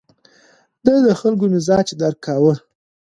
ده د خلکو مزاج درک کاوه.